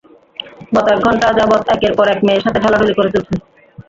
গত এক ঘণ্টা যাবৎ একের পর এক মেয়ের সাথে ঢলাঢলি করে চলেছ।